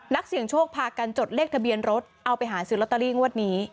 นักเสี่ยงโชคพากันจดเลขทะเบียนรถเอาไปหาซื้อลอตเตอรี่งวดนี้